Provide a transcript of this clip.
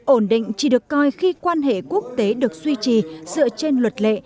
ổn định chỉ được coi khi quan hệ quốc tế được suy trì dựa trên luật lệ